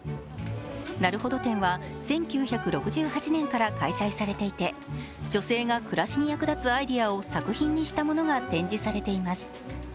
なるほど展は１９６８年から開催されていて、女性が暮らしに役立つアイデアを作品にしたものが展示されています。